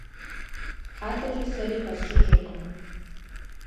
АдэкӀэ сэ зыри хэсщӀыкӀыркъым.